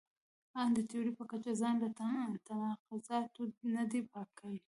ان د تیوري په کچه ځان له تناقضاتو نه دی پاک کړی.